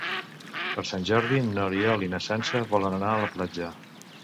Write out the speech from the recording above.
Per Sant Jordi n'Oriol i na Sança volen anar a la platja.